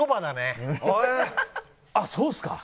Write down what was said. あっそうっすか。